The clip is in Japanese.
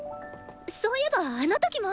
そういえばあの時も。